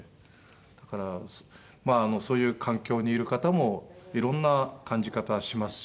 だからまあそういう環境にいる方もいろんな感じ方はしますし。